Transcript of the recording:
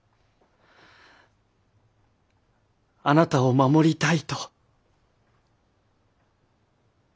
あなたを守りたいと。